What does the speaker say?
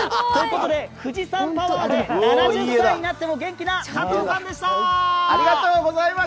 富士山パワーで、７０歳になっても元気な佐藤さんでしたー！